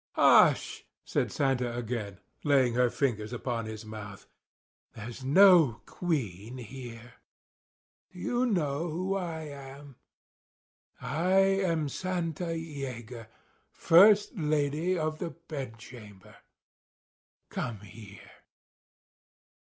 "Hush!" said Santa again, laying her fingers upon his mouth. "There's no queen here. Do you know who I am? I am Santa Yeager, First Lady of the Bedchamber. Come here."